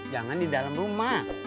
jangan di dalam rumah